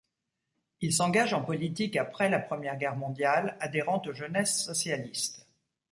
Il s'engage en politique après la première guerre mondiale, adhérent aux jeunesses socialistes.